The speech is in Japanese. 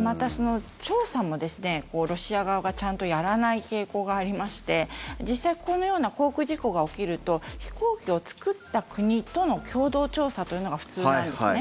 また、調査もロシア側がちゃんとやらない傾向がありまして実際、このような航空事故が起きると飛行機を作った国との共同調査というのが普通なんですね。